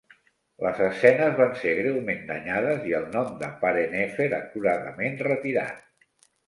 Les escenes van ser greument danyades i el nom de Parennefer acuradament retirat.